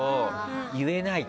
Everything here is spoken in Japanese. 言えないか。